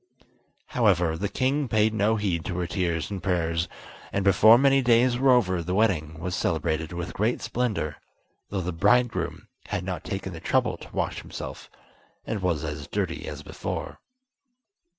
However, the king paid no heed to her tears and prayers, and before many days were over the wedding was celebrated with great splendour, though the bridegroom had not taken the trouble to wash himself, and was as dirty as before.